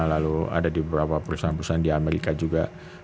lalu ada di beberapa perusahaan perusahaan di amerika juga